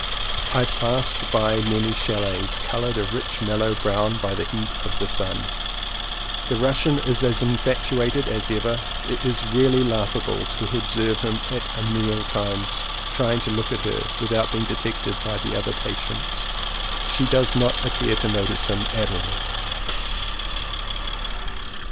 I passed by many chalets coloured a rich mellow brown by the heat of the sun. The Russian is as infatuated as ever; it is really laughable to observe him at meal times trying to look at her without being detected by the other patients. She does not appear to notice him at all.